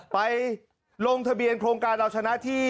ไปลงทะเบียนโครงการเราชนะที่